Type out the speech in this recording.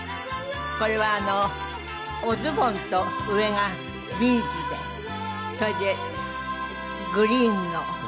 これはおズボンと上がビーズでそれでグリーンの。